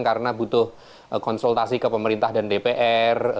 karena butuh konsultasi ke pemerintah dan dpr